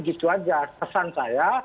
gitu saja pesan saya